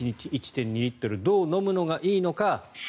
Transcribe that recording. １日１．２リットルどう飲むのがいいのか。